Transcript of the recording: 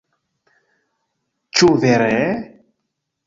Ĉu vere?...